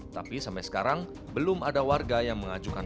tapi sampai sekarang belum ada warga yang mengajukan